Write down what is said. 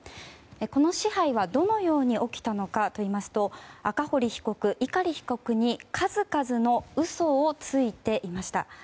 この支配はどのように起きたのかといいますと赤堀被告、碇被告に数々の嘘をついていました。